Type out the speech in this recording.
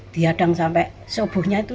diadang sampai subuhnya itu